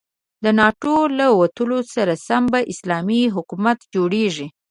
د ناتو له وتلو سره سم به اسلامي حکومت جوړيږي.